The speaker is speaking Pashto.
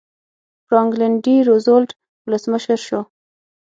فرانکلن ډي روزولټ ولسمشر شو.